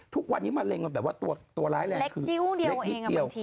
ทุกวันนี้มะเร็งตัวร้ายแรงคือเล็กนิดเดียว